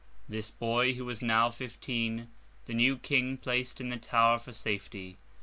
This boy, who was now fifteen, the new King placed in the Tower for safety.